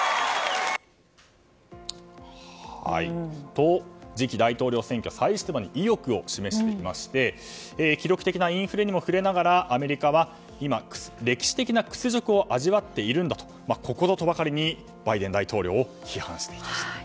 と、次期大統領選挙再出馬に意欲を示していまして記録的なインフレにも触れながらアメリカは今、歴史的な屈辱を味わっているんだとここぞとばかりにバイデン大統領を批判していました。